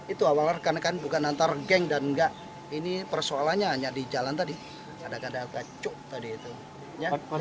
itu awalnya kan bukan antar geng dan enggak ini persoalannya hanya di jalan tadi ada ada kacuk tadi itu